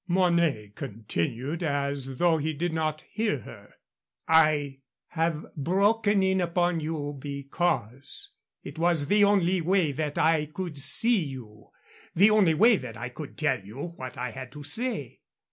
Mornay continued as though he did not hear her: "I have broken in upon you because it was the only way that I could see you the only way that I could tell you what I had to say.